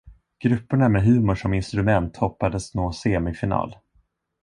Grupperna med humor som instrument hoppades nå semifinal.